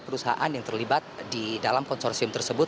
perusahaan yang terlibat di dalam konsorsium tersebut